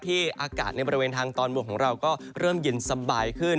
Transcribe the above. อากาศในบริเวณทางตอนบนของเราก็เริ่มเย็นสบายขึ้น